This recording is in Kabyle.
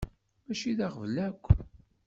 Mačči d aɣbel akk!